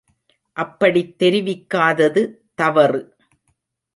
அப்படித் தெரிவிக்காதது தவறு!